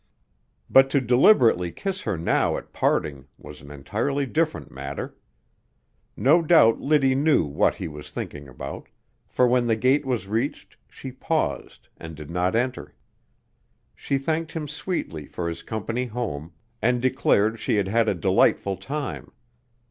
But to deliberately kiss her now at parting was an entirely different matter. No doubt Liddy knew what he was thinking about, for when the gate was reached she paused and did not enter. She thanked him sweetly for his company home, and declared she had had a delightful time.